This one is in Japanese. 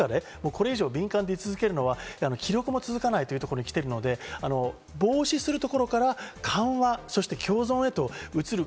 これ以上、敏感でい続けるのは気力も続かないというところに来ているので、防止するところから緩和、そして共存へと移る。